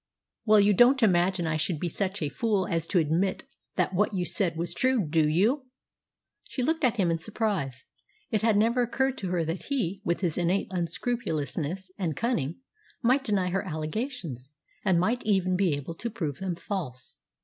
"Well, you don't imagine I should be such a fool as to admit that what you said was true, do you?" She looked at him in surprise. It had never occurred to her that he, with his innate unscrupulousness and cunning, might deny her allegations, and might even be able to prove them false.